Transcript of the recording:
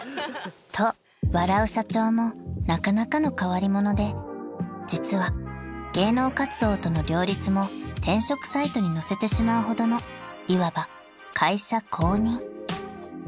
［と笑う社長もなかなかの変わり者で実は芸能活動との両立も転職サイトに載せてしまうほどのいわば会社公認］